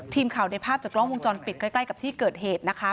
ทีมข่าวได้ภาพจากกล้องวงจรปิดใกล้กับที่เกิดเหตุนะคะ